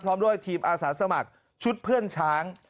พร้อมด้วยทีมอาสาสมัครชุดเพื่อนช้าง